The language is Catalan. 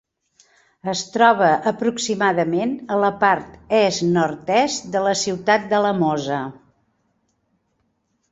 Es troba aproximadament a la part est-nord-est de la ciutat d'Alamosa.